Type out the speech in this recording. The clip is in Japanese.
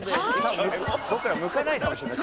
ボクら向かないかもしれない。